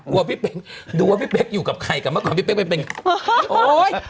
พี่เป๊กดูว่าพี่เป๊กอยู่กับใครกับเมื่อก่อนพี่เป๊กไปเป็นโอ๊ย